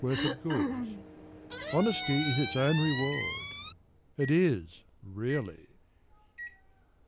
worth of goods. Honesty is its own reward It is really.